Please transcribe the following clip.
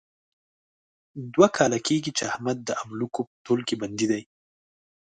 دوه کاله کېږي، چې احمد د املوکو په تول کې بندي دی.